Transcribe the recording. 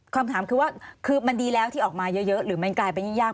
คำถามคือว่าคือมันดีแล้วที่ออกมาเยอะหรือมันกลายเป็นยิ่งยาก